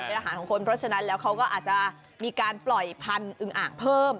เป็นอาหารของคนเพราะฉะนั้นแล้วเขาก็อาจจะมีการปล่อยพันธุ์อึงอ่างเพิ่ม